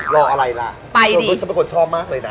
รออะไรล่ะไปดิจริงเป็นคนชอบมากเลยนะ